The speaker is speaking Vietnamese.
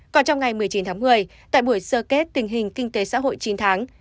còn trong ngày một mươi chín tháng một mươi tại buổi sơ kết tình hình kinh tế xã hội chín tháng